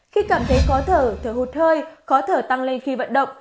khi cảm thấy khó thở thở hụt hơi khó thở tăng lên khi vận động